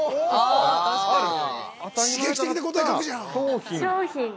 ◆確かに。